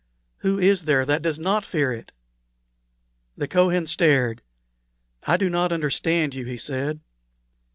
Who is there that does not fear it?" The Kohen stared. "I do not understand you," he said.